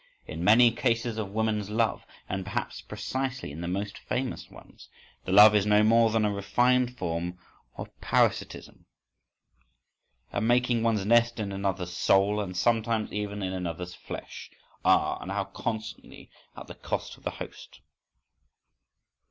—In many cases of woman's love, and perhaps precisely in the most famous ones, the love is no more than a refined form of parasitism, a making one's nest in another's soul and sometimes even in another's flesh—Ah! and how constantly at the cost of the host!